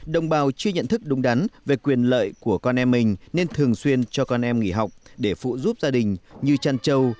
đồng bào chưa nhận thức đúng đắn về quyền lợi của con em mình nên thường xuyên cho con em nghỉ học để phụ giúp gia đình như chăn trâu